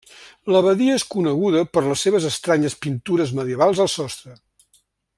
L'abadia és coneguda per les seves estranyes pintures medievals al sostre.